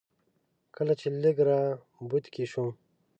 کله چې لږ را بوتکی شوم.